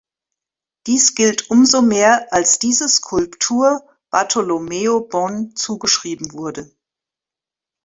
Dies gilt umso mehr, als diese Skulptur Bartolomeo Bon zugeschrieben wurde.